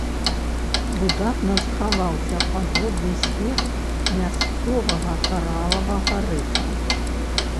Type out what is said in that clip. Выдатна захаваўся падводны свет мясцовага каралавага рыфа.